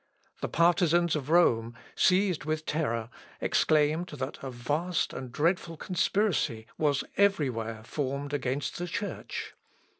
The partisans of Rome, seized with terror, exclaimed that a vast and dreadful conspiracy was every where formed against the Church.